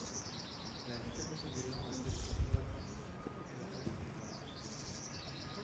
La litanie du bilan a été votre seule réponse et le reste encore, d’ailleurs.